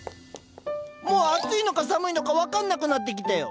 もう暑いのか寒いのか分かんなくなってきたよ。